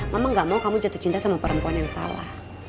mama gak mau kamu jatuh cinta sama perempuan yang salah